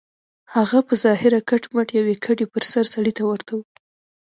هغه په ظاهره کټ مټ يوې کډې پر سر سړي ته ورته و.